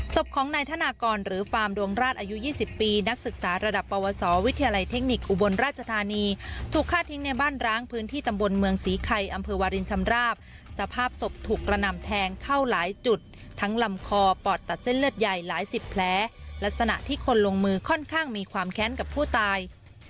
ศพของนายธนากรหรือฟาร์มดวงราชอายุ๒๐ปีนักศึกษาระดับปวสอวิทยาลัยเทคนิคอุบลราชธานีถูกฆ่าทิ้งในบ้านร้างพื้นที่ตำบลเมืองศรีไข่อำเภอวารินชำราบสภาพศพถูกกระนำแทงเข้าหลายจุดทั้งลำคอปอดตัดเส้นเลือดใหญ่หลายสิบแผลลักษณะที่คนลงมือค่อนข้างมีความแค้นกับผู้ตาย